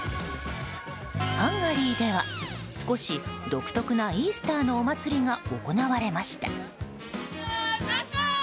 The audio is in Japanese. ハンガリーでは少し独特なイースターのお祭りが行われました。